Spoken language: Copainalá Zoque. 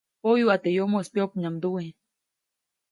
Poyuʼa teʼ yomoʼis pyopnamdyuwi.